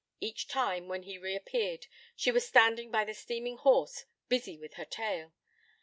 Each time, when he reappeared, she was standing by the steaming horse, busy with her tale.